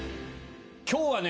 今日はね